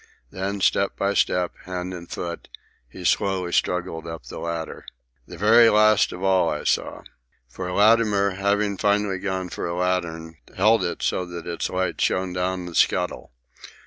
And then, step by step, hand and foot, he slowly struggled up the ladder. The very last of all, I saw. For Latimer, having finally gone for a lantern, held it so that its light shone down the scuttle.